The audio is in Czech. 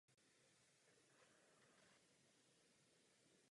Nejvíce přistěhovalců se usazuje ve velkých městech.